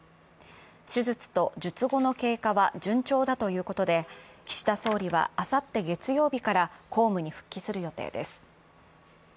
手術と術後の経過は順調だということで岸田総理は、あさって月曜日から公務に復帰する予定です。